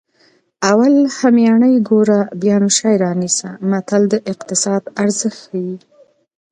اول همیانۍ ګوره بیا نو شی رانیسه متل د اقتصاد ارزښت ښيي